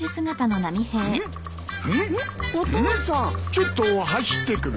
ちょっと走ってくる。